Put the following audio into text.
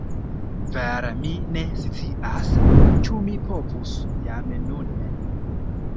Vere mi ne scias, ĉu mi povus jam nun.